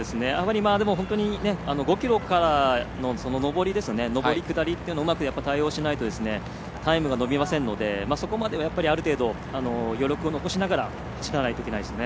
５ｋｍからの上り下りというのをうまく対応しないとタイムが伸びませんのでそこまではやっぱりある程度、余力を残しながら走らないといけないですね。